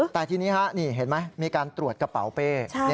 แต่ทีนี้นี่เห็นไหมมีการตรวจกระเป๋าเป้